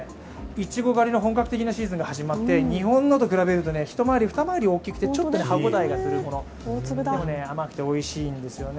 いちご狩りの本格的なシーズンが始まって日本のと比べると一回り、二回り大きくてちょっと歯ごたえがするもの甘くておいしいんですよね。